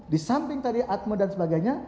di samping tadi atmo dan sebagainya